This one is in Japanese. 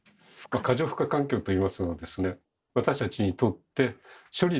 過剰負荷環境といいますのはですね